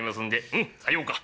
「うんさようか。